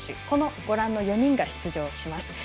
このご覧の４人が出場します。